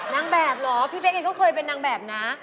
นางแบบเหรอพี่เป๊กเองก็เคยเป็นนางแบบนะ